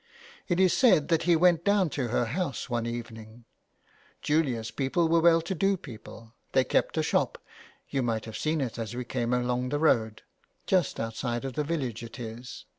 It is said that he went down to her house one evening ; Julia's people were well to do people ; they kept a shop; you mighthave seen it as we came along the road, just outside of the village it is.